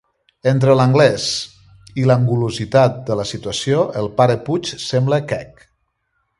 Entre l'anglès i l'angulositat de la situació, el pare Puig sembla quec.